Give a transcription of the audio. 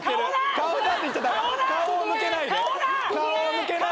顔向けない。